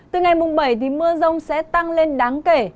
từ ngày bảy thì mưa rông sẽ tăng lên đáng kể